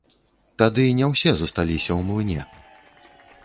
Тады не ўсе засталіся ў млыне.